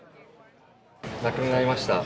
なくなりました。